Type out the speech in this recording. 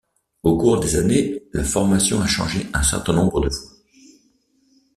Au cours des années, la formation a changé un certain nombre de fois.